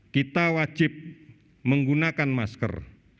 kita wajib menggunakan masker